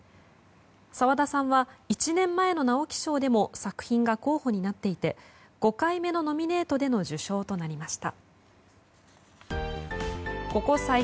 澤田さんは１年前の直木賞でも作品が候補になっていて５回目のノミネートでの受賞となりました。